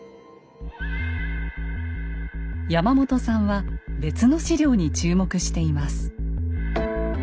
山本さんは別の史料に注目しています。